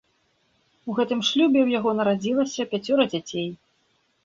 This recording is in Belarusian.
У гэтым шлюбе у яго нарадзілася пяцёра дзяцей.